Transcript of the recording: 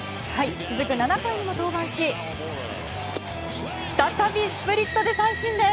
続く７回にも登板し再びスプリットで三振です。